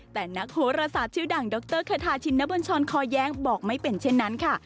แต่นักโหรศาสตร์ชื่อดังดรคาทาชินนบัญชรคอแย้งบอกไม่เป็นเช่นนั้นค่ะ